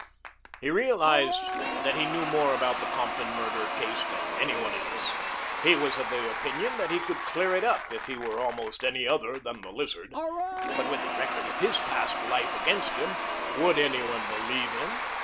He realized that he knew more about the Compton murder case than any one else. He was of the opinion that he could clear it up if he were almost any one other than the Lizard, but with the record of his past life against him, would any one believe him?